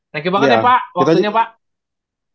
thank you banget ya pak waktunya pak